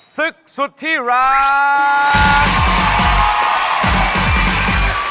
ศึกสุดที่รัก